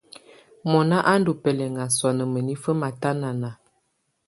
Mɔ̀nà à ndù bɛlɛna sɔ̀á nà mǝ́nifǝ́ matanana.